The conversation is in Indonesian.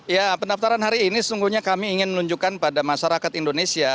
ya pendaftaran hari ini sesungguhnya kami ingin menunjukkan pada masyarakat indonesia